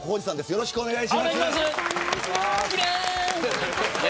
よろしくお願いします。